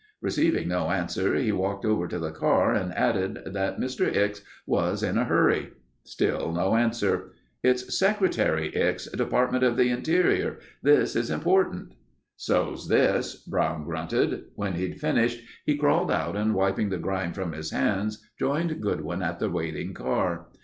Receiving no answer, he walked over to the car and added that Mr. Ickes was in a hurry. Still, no answer. "It's Secretary Ickes, Department of the Interior. This is important." "So's this," Brown grunted. When he'd finished, he crawled out and wiping the grime from his hands, joined Goodwin at the waiting car.